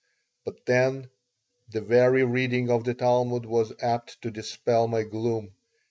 But then the very reading of the Talmud was apt to dispel my gloom.